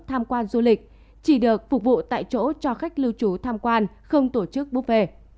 tham quan du lịch chỉ được phục vụ tại chỗ cho khách lưu trú tham quan không tổ chức búp về